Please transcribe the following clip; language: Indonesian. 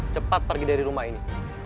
cepat pergi dari rumah ini